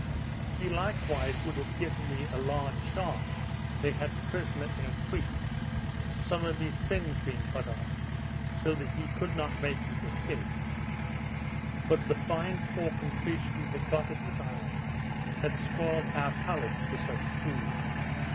He likewise would have given me a large shark they had prisoner in a creek (some of his fins being cut off, so that he could not make his escape), but the fine pork and fish we had got at this isle, had spoiled our palates for such food.